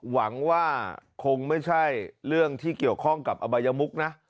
หวังว่าคงไม่ใช่เรื่องที่เกี่ยวข้องกับอบัยมุกนะ